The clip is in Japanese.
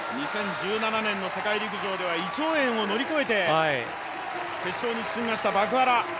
２０１７年の世界陸上では胃腸炎を乗り越えて決勝に進みましたマクワラ。